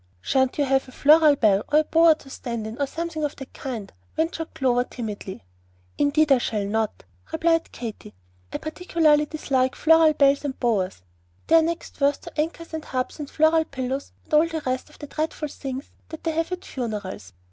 "Sha'n't you have a floral bell, or a bower to stand in, or something of that kind?" ventured Clover, timidly. "Indeed I shall not," replied Katy. "I particularly dislike floral bells and bowers. They are next worst to anchors and harps and 'floral pillows' and all the rest of the dreadful things that they have at funerals.